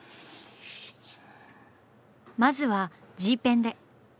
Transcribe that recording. まずはＧペンで。